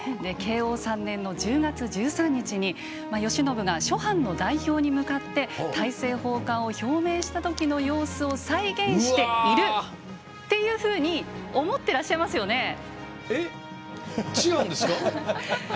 慶応３年１０月１３日に慶喜が諸藩の代表に向かって大政奉還を表明したときの様子を再現しているっていうふうに思ってらっしゃいますよね？